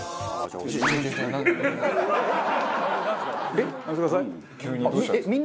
えっ？